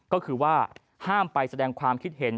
ก็คือว่าห้ามไปแสดงความคิดเห็น